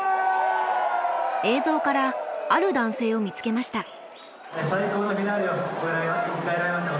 映像からある男性を見つけました。